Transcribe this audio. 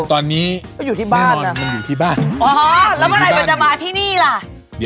ต้องทำให้ดูทั้งตอนเชฟ